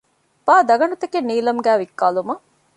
ބާ ދަގަނޑުތަކެއް ނީލަމުގައި ވިއްކާލުމަށް